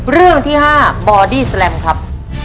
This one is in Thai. เรื่องที่๕บอดี้แลมครับ